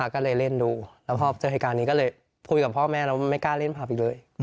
ก็เลยเล่นดูแล้วพ่อเจอกันนี้ก็เลยพูดกับพ่อแม่เราไม่กล้าเล่นพรรพอีกเลย